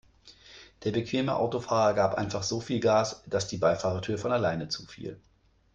Der bequeme Autofahrer gab einfach so viel Gas, dass die Beifahrertür von alleine zufiel.